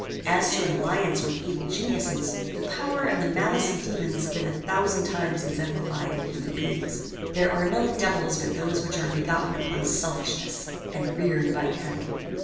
As to an alliance with evil geniuses, the power and the malice of daemons have been a thousand times exemplified in human beings. There are no devils but those which are begotten upon selfishness, and reared by cunning.